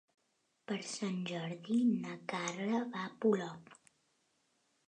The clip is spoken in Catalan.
Per Sant Jordi na Carla va a Polop.